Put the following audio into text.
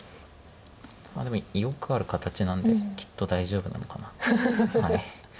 でもよくある形なんできっと大丈夫なのかな。